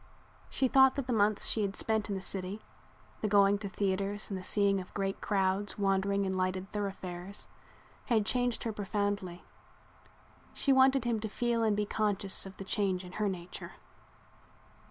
She thought that the months she had spent in the city, the going to theaters and the seeing of great crowds wandering in lighted thoroughfares, had changed her profoundly. She wanted him to feel and be conscious of the change in her nature.